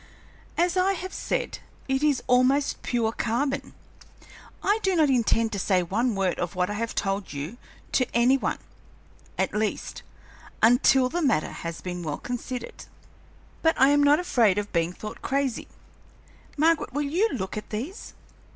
As I have said, it is almost pure carbon. I do not intend to say one word of what I have told you to any one at least, until the matter has been well considered but I am not afraid of being thought crazy. Margaret, will you look at these?"